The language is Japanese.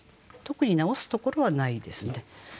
特に直すところはないですね。